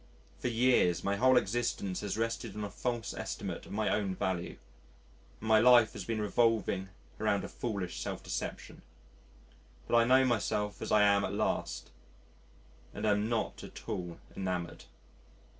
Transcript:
For years, my whole existence has rested on a false estimate of my own value, and my life been revolving around a foolish self deception. But I know myself as I am at last and am not at all enamoured.